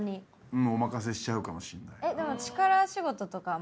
もうお任せしちゃうかもしれないな。